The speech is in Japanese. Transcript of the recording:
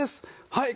はい。